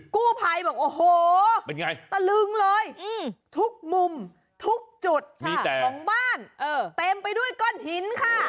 กู้ภัยบอกโอ้โหเป็นไงตะลึงเลยทุกมุมทุกจุดของบ้านเต็มไปด้วยก้อนหินค่ะ